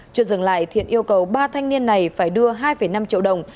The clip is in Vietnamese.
chưa dừng lại thiện yêu cầu ba thanh niên này phải đưa hai năm triệu đồng